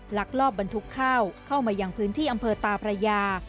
ลักลอบบรรทุกข้าวเข้ามายังพื้นที่อำเภอตาพระยา